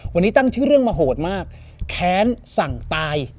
วันนี้ตั้งชื่อเรื่องมาโหดมากแค้นสั่งตาย